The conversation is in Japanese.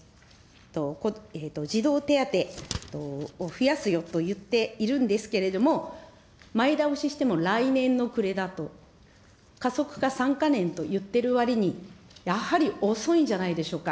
児童手当を増やすよと言っているんですけれども、前倒ししても来年の暮れだと、加速化３か年と言ってる割にやはり遅いんじゃないでしょうか。